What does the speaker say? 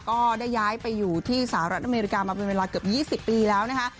ก็ได้ย้ายไปอยู่ที่สหรัฐอเมริกามาเป็นเวลาเกือบ๒๐ปีแล้วนะคะ